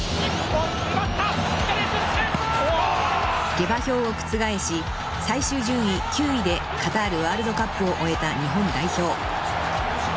［下馬評を覆し最終順位９位でカタールワールドカップを終えた日本代表］